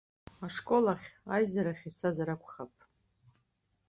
Ашкол ахь, аизарахь ицазар акәхап.